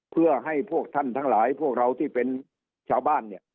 เพื่อให้พวกท่านทั้งหลายพวกเราที่เป็นชาวบ้านเนี่ย